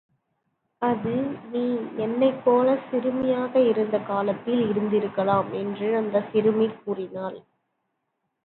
அது நீ என்னைப் போல் சிறுமியாக இருந்த காலத்தில் இருந்திருக்கலாம்! என்று அந்தச் சிறுமி கூறினாள்.